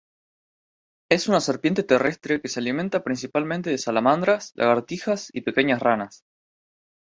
Es una serpiente terrestre que se alimenta principalmente de salamandras, lagartijas y pequeñas ranas.